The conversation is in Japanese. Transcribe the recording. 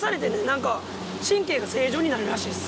何か神経が正常になるらしいです。